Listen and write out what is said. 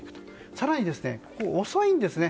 更に、遅いんですね。